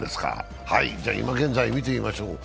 今現在、見てみましょう。